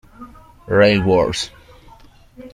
Rail Wars!